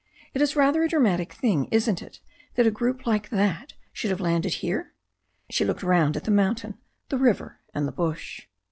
"It is rather a dramatic thing, isn't it, that a group like that should have landed up here?" She looked round at the mountain, the river and the bush.